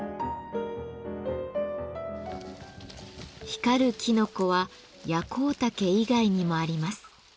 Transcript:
光るきのこはヤコウタケ以外にもあります。